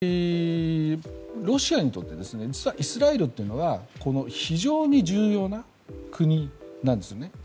それから、ロシアにとって実はイスラエルというのは非常に重要な国なんですね。